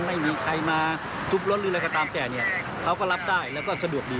ไม่มีใครมาทุบรถหรืออะไรก็ตามแต่เนี่ยเขาก็รับได้แล้วก็สะดวกดี